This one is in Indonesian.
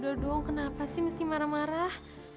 udah dong kenapa sih mesti marah marah